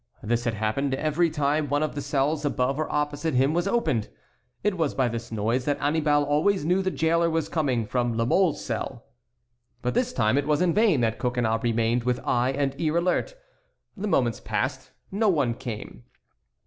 This had happened every time one of the cells above or opposite him was opened. It was by this noise that Annibal always knew the jailer was coming from La Mole's cell. But this time it was in vain that Coconnas remained with eye and ear alert. The moments passed; no one came.